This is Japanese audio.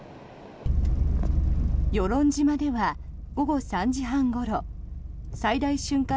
与論島では午後３時半ごろ最大瞬間